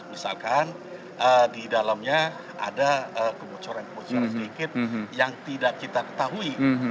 misalkan di dalamnya ada kebocoran kebocoran sedikit yang tidak kita ketahui